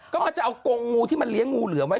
ก็จะเอากงงูที่มันเลี้ยงูเหลือมไว้